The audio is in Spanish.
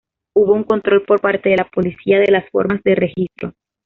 Hubo un control por parte de la policía de las formas de registro.